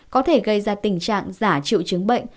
có thể gây ra tình trạng giả triệu chứng bệnh